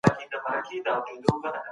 کله به نړیواله ټولنه تابعیت تایید کړي؟